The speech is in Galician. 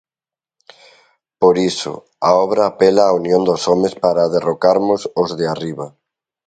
Por iso, a obra apela á unión dos homes para derrocarmos os de arriba.